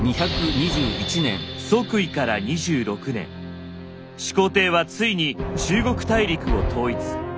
即位から２６年始皇帝はついに中国大陸を統一。